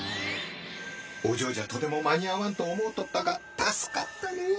お嬢じゃとても間に合わんと思うとったが助かったね！